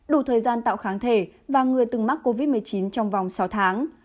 đủ thời gian tạo kháng thể và người từng mắc covid một mươi chín trong vòng sáu tháng